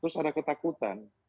terus ada ketakutan